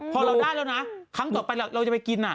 พอเราได้แล้วนะครั้งต่อไปเราจะไปกิน